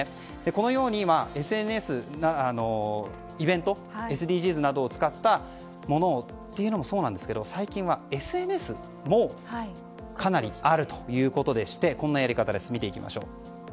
このようにＳＮＳ、イベントＳＤＧｓなどを使ったものというのもそうなんですけど最近はＳＮＳもかなりあるということでしてこんなやり方です。